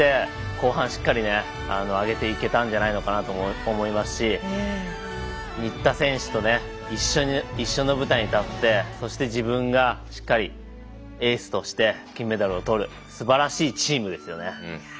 後半しっかり上げていけたんじゃないのかなと思いますし新田選手と一緒の舞台に立ってそして自分がしっかりエースとして金メダルを取るすばらしいチームですよね。